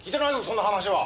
そんな話は！